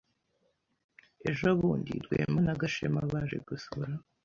Ejo bundi, Rwema na Gashema baje gusura.